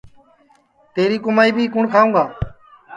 تیری کُمائی بی کُوٹؔ کھاوں گا